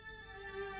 aku sudah berjalan